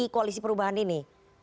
koalisi perubahan ini